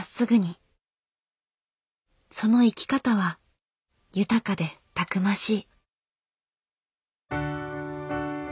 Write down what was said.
その生き方は豊かでたくましい。